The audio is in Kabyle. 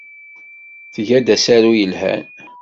Tga-d asaru yelhan.